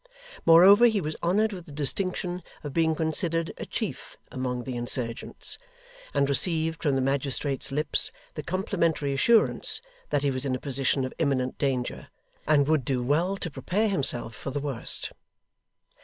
Moreover he was honoured with the distinction of being considered a chief among the insurgents, and received from the magistrate's lips the complimentary assurance that he was in a position of imminent danger, and would do well to prepare himself for the worst.